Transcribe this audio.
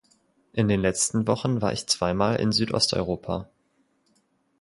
In den letzten Wochen war ich zweimal in Südosteuropa.